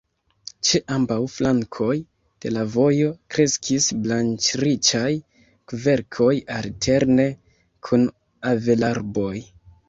Ĉe ambaŭ flankoj de la vojo kreskis branĉriĉaj kverkoj alterne kun avelarboj.